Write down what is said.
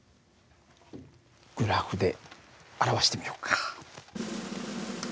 グラフで表してみようか。